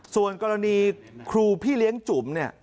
ส่วนกรณีครูพี่เลี้ยงจุ๋มเนี่ย